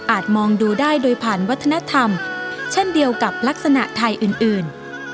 มองดูได้โดยผ่านวัฒนธรรมเช่นเดียวกับลักษณะไทยอื่น